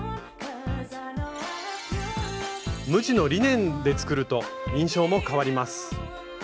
無地のリネンで作ると印象も変わります。